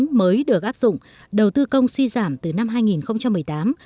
mới được áp dụng đầu tư công suy giảm từ năm hai nghìn một mươi tám